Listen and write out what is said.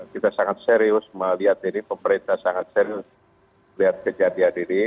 kita sangat serius melihat ini pemerintah sangat serius melihat kejadian ini